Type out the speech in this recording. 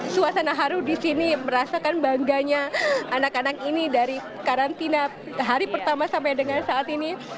suasana haru di sini merasakan bangganya anak anak ini dari karantina hari pertama sampai dengan saat ini